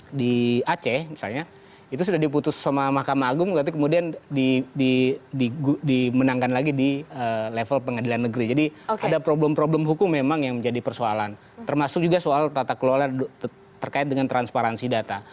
jadi artinya daya gebraknya pemerintah yang diputus sama mahkamah agung berarti kemudian di di di menangkan lagi di level pengadilan negeri jadi ada problem problem hukum memang yang menjadi persoalan termasuk juga soal tata kelola terkait dengan transparansi data